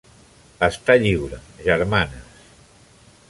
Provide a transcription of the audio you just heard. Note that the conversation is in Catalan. Està lliure, germanes.